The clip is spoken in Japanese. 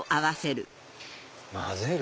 混ぜる。